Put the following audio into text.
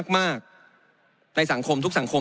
ในสังคมทุกสังคม